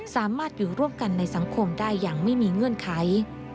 สามารถอยู่ร่วมกันในสังคมได้อย่างไม่มีเงื่อนไข